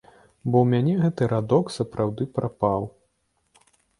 Бо ў мяне гэты радок сапраўды прапаў.